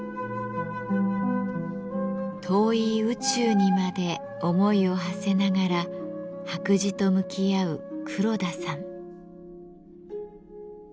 遠い宇宙にまで思いをはせながら白磁と向き合う黒田さん。